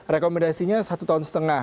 rekomendasinya satu tahun setengah